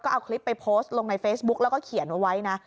เอาคลิปไปโพสต์ลงในเฟซบุ๊กแล้วก็เขียนเอาไว้นะ